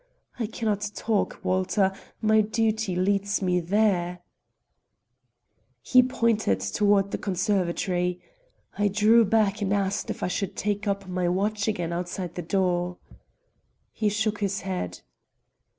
I can not talk, Walter; my duty leads me there." He pointed toward the conservatory. I drew back and asked if I should take up my watch again outside the door. He shook his head.